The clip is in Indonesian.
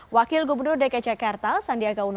wakil gubernur dki jakarta sandiaga uno